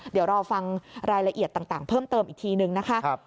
เดี๋ยวรอฟังรายละเอียดต่างเพิ่มเติมอีกทีนึงนะคะ